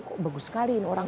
kok bagus sekali ini orang